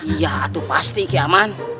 iya tuh pasti ki aman